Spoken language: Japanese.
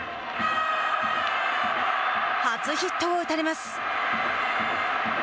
初ヒットを打たれます。